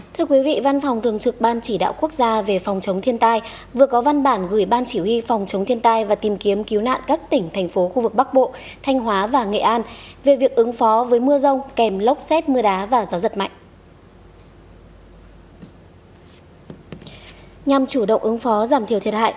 thưa quý vị văn phòng thường trực ban chỉ đạo quốc gia về phòng chống thiên tai vừa có văn bản gửi ban chỉ huy phòng chống thiên tai và tìm kiếm cứu nạn các tỉnh thành phố khu vực bắc bộ thanh hóa và nghệ an về việc ứng phó với mưa rông kèm lốc xét mưa đá và gió giật mạnh